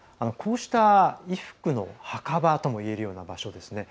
こうした衣服の墓場ともいえる場所